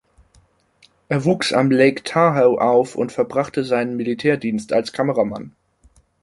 Er wuchs am Lake Tahoe auf und verbrachte seinen Militärdienst als Kameramann.